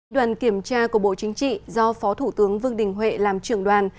đoàn kiểm tra của bộ chính trị do phó thủ tướng vương đình huệ làm trưởng đoàn